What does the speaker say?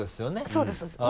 そうですそうです。